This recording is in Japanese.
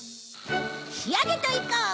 仕上げといこう！